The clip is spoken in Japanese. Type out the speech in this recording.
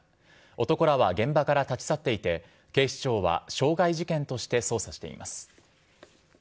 男らは現場から立ち去っていて、警視庁は傷害事件として捜査しています。